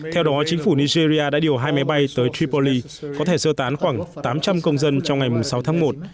theo đó chính phủ nigeria đã điều hai máy bay tới tripoli có thể sơ tán khoảng tám trăm linh công dân trong ngày sáu tháng một